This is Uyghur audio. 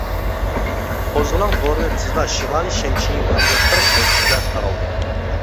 قوزغىلاڭ بورىنى تېزلا شىمالىي شەنشى ۋە ئوتتۇرا شەنشىگە تارالدى.